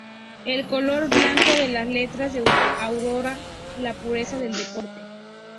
El color blanco de las letras de Aurora la pureza del deporte.